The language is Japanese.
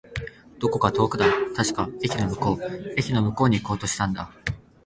どこか遠くだ。確か、駅の向こう。駅の向こうに行こうとしたんだ。